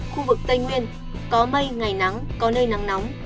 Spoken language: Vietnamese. khu vực tây nguyên có mây ngày nắng có nơi nắng nóng